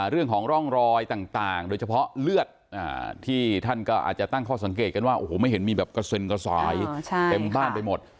เรื่องของร่องรอยต่างโดยเฉพาะเลือดที่ท่านก็อาจจะตั้งข้อสังเกตกันว่าโอ้โหไม่เห็นมีแบบกระเซ็นกระสายเต็มบ้านไปหมด